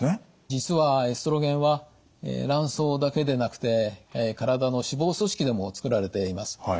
実はエストロゲンは卵巣だけでなくて体の脂肪組織でもつくられています。